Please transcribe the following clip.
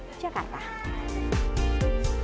terima kasih kakak